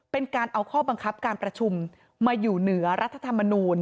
เป็นการเอาข้อบังคับการประชุมมาอยู่เหนือรัฐธรรมนูล